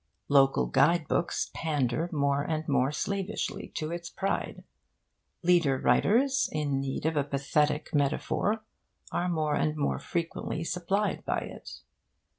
Local guide books pander more and more slavishly to its pride; leader writers in need of a pathetic metaphor are more and more frequently supplied by it.